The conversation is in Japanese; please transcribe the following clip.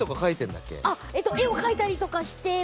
絵を描いたりとかしてます。